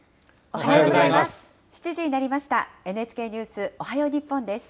おはようございます。